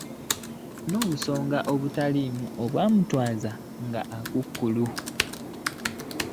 N'obusonga obutaliimu obutwala nga ekukulu .